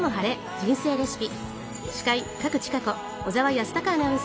人生レシピ」。